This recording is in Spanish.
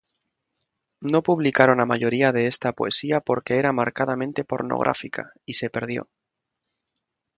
No publicaron a mayoría de esta poesía porque era marcadamente pornográfica, y se perdió.